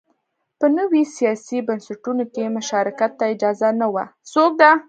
په نویو سیاسي بنسټونو کې مشارکت ته اجازه نه وه